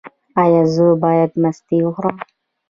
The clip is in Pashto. ایا زه باید مستې وخورم؟